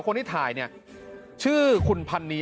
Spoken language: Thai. คนที่ถ่ายชื่อคุณพันนีย